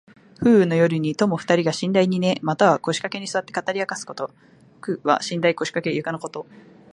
風雨の夜に友二人が寝台に寝、またはこしかけにすわって語りあかすこと。「牀」は寝台・こしかけ・ゆかのこと。